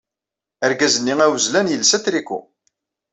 Argaz-nni awezlan yelsa atriku.